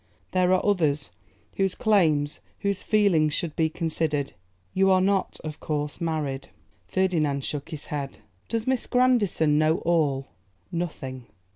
There are others whose claims, whose feelings should be considered. You are not, of course, married?' Ferdinand shook his head. 'Does Miss Grandison know all?' 'Nothing.